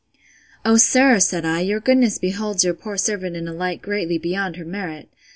O sir, said I, your goodness beholds your poor servant in a light greatly beyond her merit!